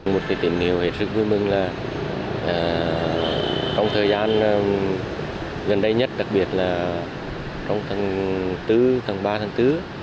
một kỳ tín hiệu rất vui mừng là trong thời gian gần đây nhất đặc biệt là trong tháng bốn tháng ba tháng bốn